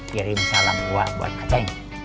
kirim salam wak buat acing